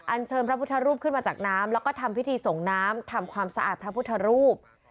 เชิญพระพุทธรูปขึ้นมาจากน้ำแล้วก็ทำพิธีส่งน้ำทำความสะอาดพระพุทธรูป